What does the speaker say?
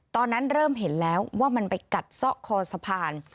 ตอนนั้นเริ่มเห็นแล้วว่ามันไปกัดซ่อคอสะพาน